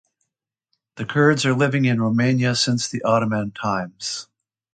The Kurds are living in Romania since Ottoman times.